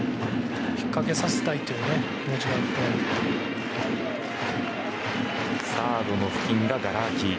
引っかけさせたいというサードの付近ががら空き。